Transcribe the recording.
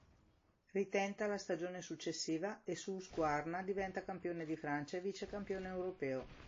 Ritenta la stagione successiva e su Husqvarna diventa campione di Francia e vicecampione europeo.